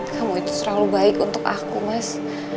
kamu itu selalu baik untuk aku mas